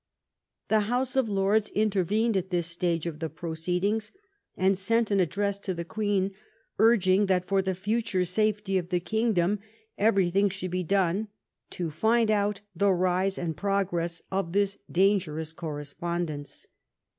The House of Lords intervened at this stage of the proceedings, and sent an address to the Queen urging that for the future safety of the kingdom everything should be done ^^to find out the rise and progress of this dangerous correspondence."